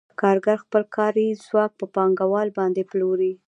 کارګر خپل کاري ځواک په پانګوال باندې پلوري